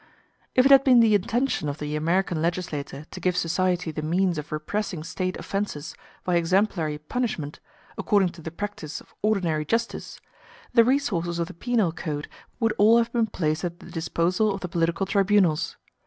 If it had been the intention of the American legislator to give society the means of repressing State offences by exemplary punishment, according to the practice of ordinary justice, the resources of the penal code would all have been placed at the disposal of the political tribunals.